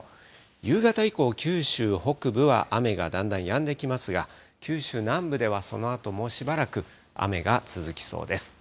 夕方以降、九州北部は雨がだんだんやんできますが、九州南部ではそのあともしばらく雨が続きそうです。